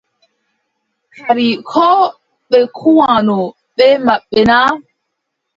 Kadi koo ɓe kuwanno bee maɓɓe na ?